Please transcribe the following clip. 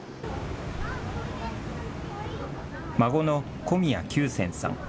孫の小宮求茜さん。